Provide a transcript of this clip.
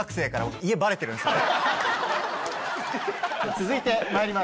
続いてまいります。